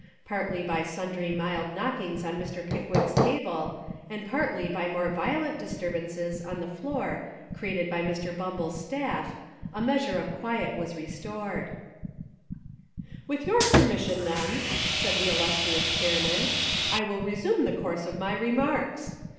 Partly by sundry mild knockings on Mr. Pickwick's table and partly by more violent disturbances on the floor created by Mr. Bumble's staff a measure of quiet was restored. 200 Fiction and Reality *'WIth your permission, then," said the illus trious chairman, "I will resume the course of my remarks.